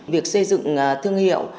việc xây dựng thương hiệu